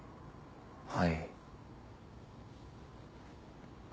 はい。